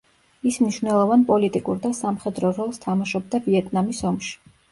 ის მნიშვნელოვან პოლიტიკურ და სამხედრო როლს თამაშობდა ვიეტნამის ომში.